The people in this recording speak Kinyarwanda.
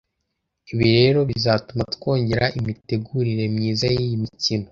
Ibi rero bizatuma twongera imitegurire myiza y’iyi mikino